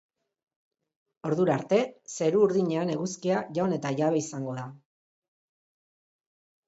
Ordura arte, zeru urdinean eguzkia jaun eta jabe izango da.